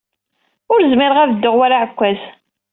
Ur zmireɣ ad dduɣ war aɛekkaz.